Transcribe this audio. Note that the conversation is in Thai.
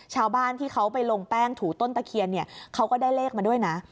ชาวบ้านที่เขาไปลงแป้งถูต้นตะเคียนเนี่ยเขาก็ได้เลขมาด้วยนะ